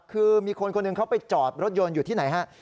คือมีคนคนหนึ่งเขาไปจอดรถยนต์อยู่ที่ไหนฮะ